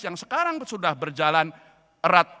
yang sekarang sudah berjalan erat